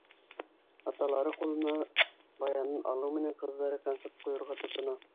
Аталары ҡулына баянын алыу менән ҡыҙҙары концерт ҡуйырға тотона.